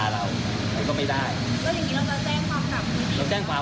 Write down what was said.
เราไม่ได้ไปดีเกตนั้นนะครับ